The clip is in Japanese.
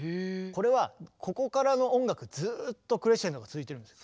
これはここからの音楽ずっとクレッシェンドが続いてるんです。